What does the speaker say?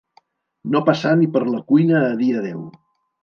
No passà ni per la cuina a dir adéu.